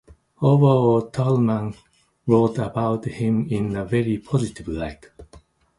Overall Tolman wrote about him in a very positive light.